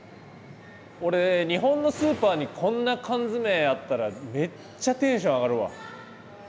俺ね日本のスーパーにこんな缶詰あったらめっちゃテンション上がるわ。